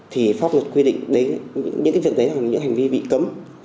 thì pháp luật quy định đến những việc đấy là những hành vi bị cấm